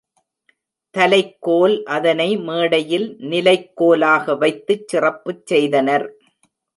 தலைக்கோல் அதனை மேடையில் நிலைக்கோலாக வைத்துச் சிறப்புச் செய்தனர்.